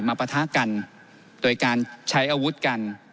ปะทะกันโดยการใช้อาวุธกัน